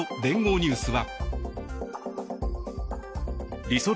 ニュースは。